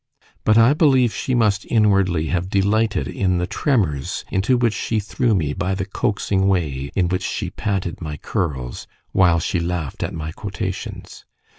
But I believe she must inwardly have delighted in the tremors into which she threw me by the coaxing way in which she patted my curls, while she laughed at my quotations.